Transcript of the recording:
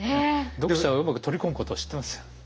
読者をうまく取り込むことを知ってますよ。